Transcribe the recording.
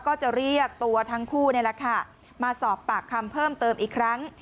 ก็จะเรียกตัวทั้งคู่นี่แหละค่ะมาสอบปากคำเพิ่มเติมอีกครั้ง